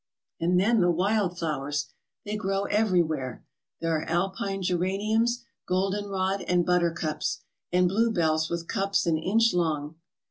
And then the wild flowers! They grow everywhere. There are Alpine geraniums, goldenrod, and buttercups, and bluebells with cups an inch long.